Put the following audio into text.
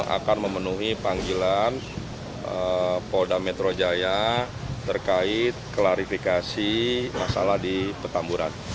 akan memenuhi panggilan polda metro jaya terkait klarifikasi masalah di petamburan